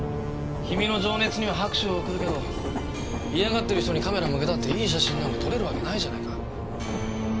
君の情熱には拍手を送るけど嫌がってる人にカメラ向けたっていい写真なんか撮れるわけないじゃないか。